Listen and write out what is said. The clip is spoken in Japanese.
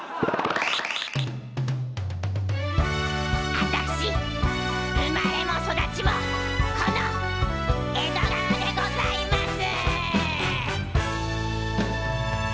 あたし生まれも育ちもこの江戸川でございます。